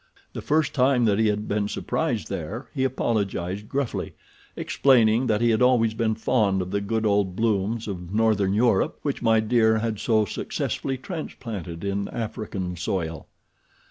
The first time that he had been surprised there he apologized gruffly, explaining that he had always been fond of the good old blooms of northern Europe which My Dear had so successfully transplanted in African soil.